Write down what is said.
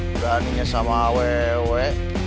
beraninya sama awewe